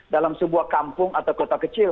dalam sebuah kampung atau kota kecil